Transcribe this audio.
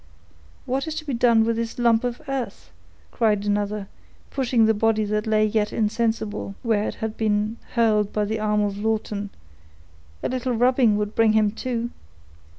"What is to be done with this lump of earth?" cried another, pushing the body that yet lay insensible, where it had been hurled by the arm of Lawton; "a little rubbing would bring him to."